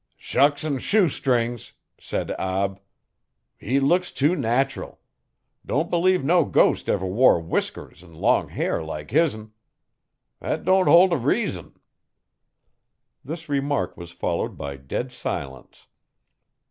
'Shucks an' shoestrings!' said Ab, 'he looks too nat'ral. Don't believe no ghost ever wore whiskers an' long hair like his'n. Thet don't hol' t' reason.' This remark was followed by dead silence.